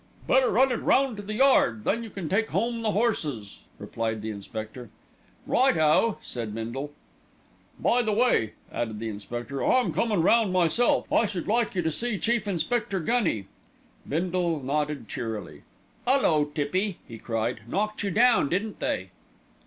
"Better run it round to 'the Yard,' then you can take home the horses," replied the inspector. "Right o!" said Bindle. "By the way," added the inspector, "I'm coming round myself. I should like you to see Chief Inspector Gunny." Bindle nodded cheerily. "'Ullo, Tippy!" he cried, "knocked you down, didn't they?"